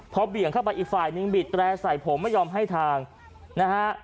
พอเบี่ยงเข้าไปอีกฝ่ายนึงบีดแร่ใส่ผมไม่ยอมให้ทางนะฮะ